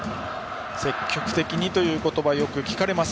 積極的にという言葉よく聞かれます